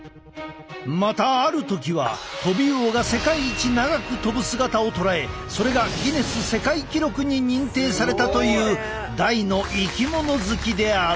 またある時はトビウオが世界一長く飛ぶ姿を捉えそれがギネス世界記録に認定されたという大の生き物好きである。